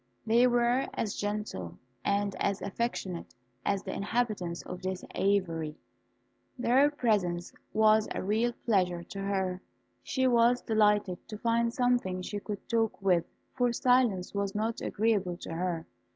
They were as gentle and as affectionate as the inhabitants of the aviary. Their presence was a real pleasure to her. She was delighted to find something she could talk with, for silence was not agreeable to her.